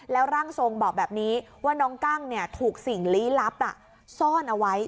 แล้วร่างทรงบอกแบบนี้ว่าน้องกั้งถูกสิ่งลี้ลับซ่อนเอาไว้